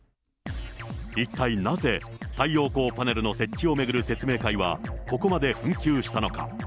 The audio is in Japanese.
一体なぜ、太陽光パネルの設置を巡る説明会は、ここまで紛糾したのか。